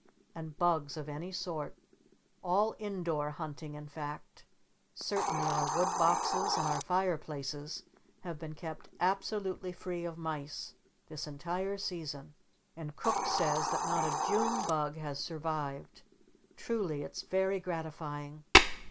And bugs of any sort. All in door hunting in fact. Certainly our wood boxes and our fire places have been kept absolutely free of mice this entire season. And Cook says that not a June Bug has survived. Truly it's very gratifying.